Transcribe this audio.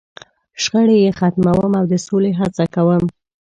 .شخړې یې ختموم، او د سولې هڅه کوم.